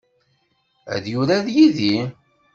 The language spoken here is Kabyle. Ad yurar yid-i?